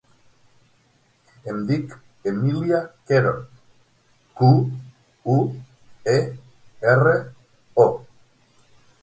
Em dic Emília Quero: cu, u, e, erra, o.